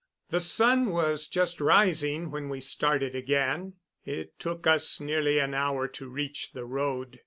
The sun was just rising when we started again. It took us nearly an hour to reach the road.